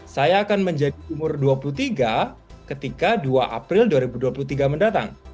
saya akan menjadi umur dua puluh tiga ketika dua april dua ribu dua puluh tiga mendatang